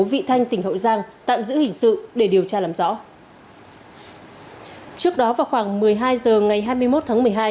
vị thanh tỉnh hậu giang tạm giữ hình sự để điều tra làm rõ trước đó và khoảng một mươi hai giờ ngày hai mươi một tháng